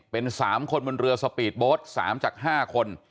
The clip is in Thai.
เป็น๓คนบนเรือสปีดโบสต์๓จาก๕คน